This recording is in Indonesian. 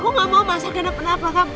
aku gak mau masalah kenapa kenapa kak